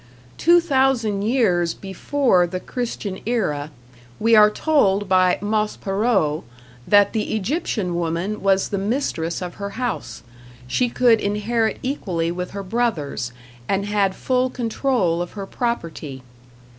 Two thousand years before the Christian era we are told by Maspero that the Egyptian woman was the mistress of her house; she could inherit equally with her brothers, and had full control of her property.